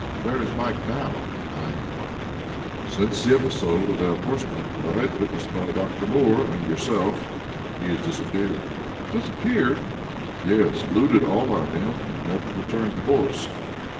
"Where is Mike now?" I inquired. "Since the episode of that horseback ride, witnessed by Dr. Moore and yourself, he has disappeared." "Disappeared!" "Yes, eluded all our men and never returned the horse."